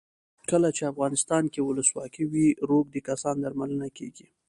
کله چې افغانستان کې ولسواکي وي روږدي کسان درملنه کیږي.